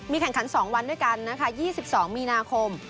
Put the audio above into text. แข่งขัน๒วันด้วยกันนะคะ๒๒มีนาคม